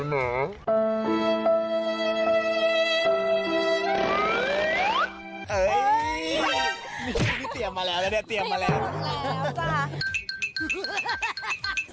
เฮ่ยมีผู้หญิงพี่เตรียมมาแล้วแล้วเนี่ยเตรียมมาแล้ว